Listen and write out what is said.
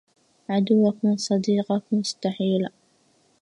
عدوك من صديقك مستحيل